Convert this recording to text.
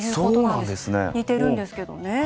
似てるんですけどね。